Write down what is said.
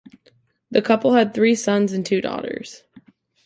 The couple had three sons and two daughters.